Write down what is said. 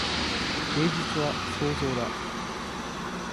芸術は創造だ。